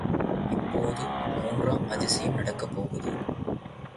இப்போது மூன்றாம் அதிசயம் நடக்கப் போகுது.